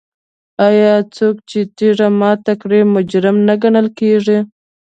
آیا څوک چې تیږه ماته کړي مجرم نه ګڼل کیږي؟